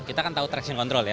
kita kan tahu traction control ya